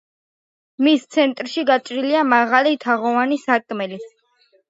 მის ცენტრში გაჭრილია მაღალი, თაღოვანი სარკმელი.